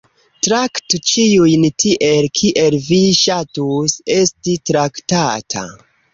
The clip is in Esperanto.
"Traktu ĉiujn tiel, kiel vi ŝatus esti traktata."